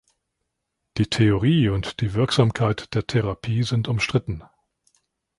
Die Theorie und die Wirksamkeit der Therapie sind umstritten.